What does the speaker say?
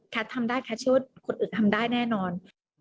ทำได้แคทเชื่อว่าคนอื่นทำได้แน่นอน